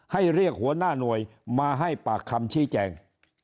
เรียกหัวหน้าหน่วยมาให้ปากคำชี้แจง